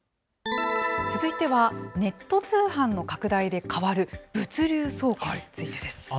続いては、ネット通販の拡大で変わる物流倉庫についてです。